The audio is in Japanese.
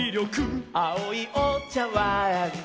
「あおいおちゃわん」